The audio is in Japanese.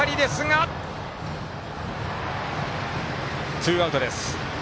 ツーアウトです。